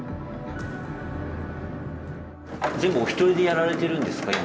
全部お一人でやられてるんですか？